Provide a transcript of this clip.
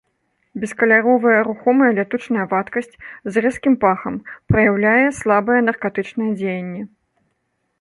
Бескаляровая рухомая лятучая вадкасць з рэзкім пахам, праяўляе слабае наркатычнае дзеянне.